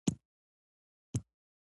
لاوزي وایي زده کړه په عملي تجربه کې ده.